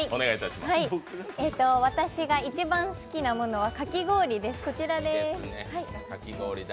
私が一番好きなものはかき氷で、こちらです。